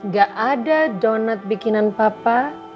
gak ada donat bikinan papa